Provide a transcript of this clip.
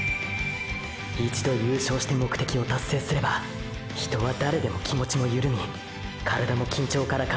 一度優勝して目的を達成すれば人は誰でも気持ちもゆるみ体も緊張から解放される。